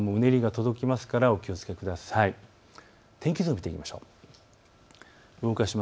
関東の沿岸もうねりが届きますからお気をつけください。